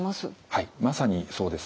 はいまさにそうですね。